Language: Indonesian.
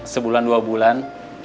sebulan dua bulan